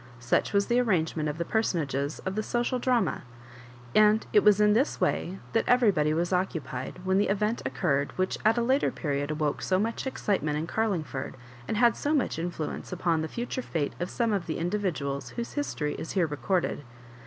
Such was the arrangement of the personages of the social drama, and it was in this way that everybody was occupied, when the event occurred which at a later period, awoke so much excitement in Garlingford, and had so much influence upon the future fate of some of the in dividuals whose history is hece recorded.